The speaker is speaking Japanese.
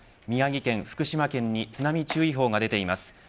宮城県、福島県に津波注意報が出ています。